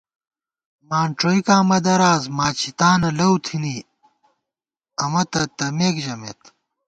مانڄوئیکاں مہ دَراس ماچِھتانہ لَؤتھنی امہ تہ تمېک ژَمېت